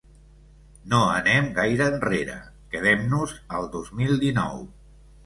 No anem gaire enrere, quedem-nos al dos mil dinou.